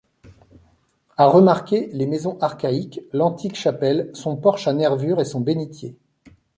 A remarquer les maisons archaïques, l'antique chapelle, son porche à nervures et son bénitier.